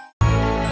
uang buat apa tante